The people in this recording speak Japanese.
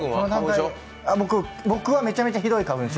僕はめちゃめちゃひどい花粉症。